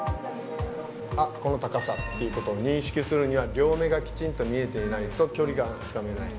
あっこの高さっていうことを認識するには両目がきちんと見えていないと距離感がつかめない。